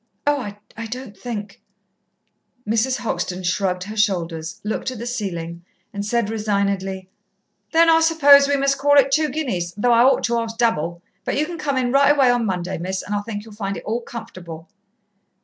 "Oh, I don't think " Mrs. Hoxton shrugged her shoulders, looked at the ceiling and said resignedly: "Then I suppose we must call it two guineas, though I ought to ask double. But you can come in right away on Monday, Miss, and I think you'll find it all comfortable."